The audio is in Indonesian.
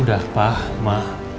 udah pak ma